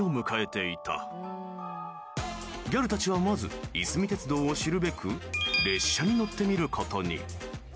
［ギャルたちはまずいすみ鉄道を知るべく列車に乗ってみることに］